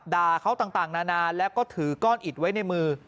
ด่าเขาต่างนานาแล้วก็ถือก้อนอิดไว้ในมือ